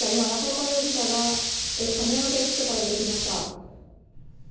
中岡容疑者が亀山警察署から出てきました。